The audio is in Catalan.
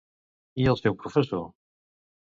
I el seu professor?